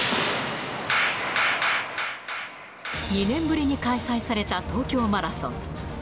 ２年ぶりに開催された東京マラソン。